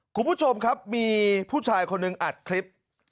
คุณผู้ชมครับมีผู้ชายคนหนึ่งอัดคลิป